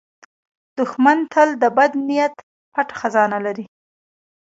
دښمن تل د بد نیت پټ خزانه لري